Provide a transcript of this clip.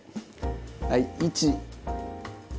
はい１。